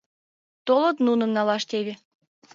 Толыт нуным налаш теве